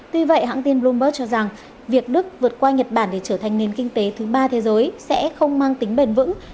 tuy vậy hãng tin bloomberg cho rằng việc đức vượt qua nhật bản để trở thành nền kinh tế thứ ba thế giới sẽ không mang tính bền vững